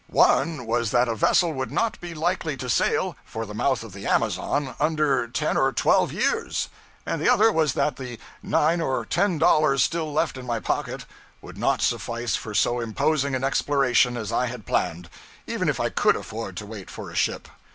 One was that a vessel would not be likely to sail for the mouth of the Amazon under ten or twelve years; and the other was that the nine or ten dollars still left in my pocket would not suffice for so imposing an exploration as I had planned, even if I could afford to wait for a ship.